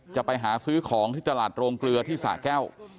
จะไปหาซื้อของที่ตลาดโรงเกลือที่สะแก้ว